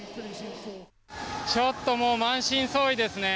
ちょっともう満身創痍ですね。